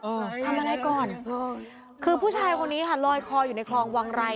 เออทำอะไรก่อนเออคือผู้ชายคนนี้ค่ะลอยคออยู่ในคลองวังไร